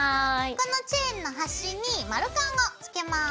このチェーンの端に丸カンをつけます。